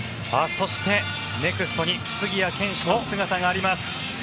そしてネクストに杉谷拳士の姿があります。